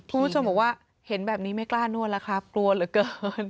คุณผู้ชมบอกว่าเห็นแบบนี้ไม่กล้านวดแล้วครับกลัวเหลือเกิน